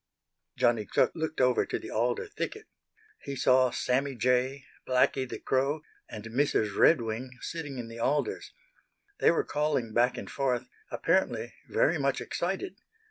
Johnny Chuck looked over to the alder thicket. He saw Sammy Jay, Blacky the Crow and Mrs. Redwing sitting in the alders. They were calling back and forth, apparently very much excited.